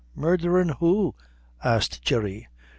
"Murdherin' who?" asked Jerry.